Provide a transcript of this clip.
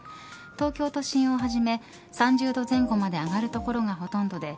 東京都心をはじめ３０度前後まで上がる所がほとんどで